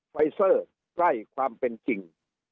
ไฟเซอร์ใกล้ความเป็นจริง